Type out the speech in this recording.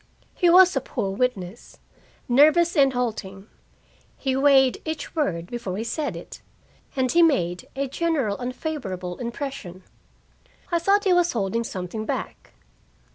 He was a poor witness, nervous and halting. He weighed each word before he said it, and he made a general unfavorable impression. I thought he was holding something back.